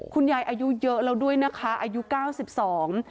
อายุเยอะแล้วด้วยนะคะอายุเก้าสิบสอง